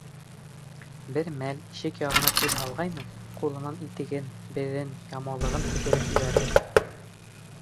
Бер мәл ишек яғына күҙ һалғайны, ҡулынан итеген, беҙен, ямаулығын төшөрөп ебәрҙе.